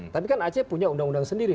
tapi kan aceh punya undang undang sendiri